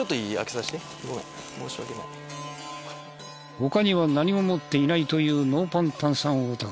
他には何も持っていないというノーパン炭酸男。